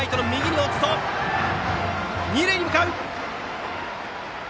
二塁に向かう！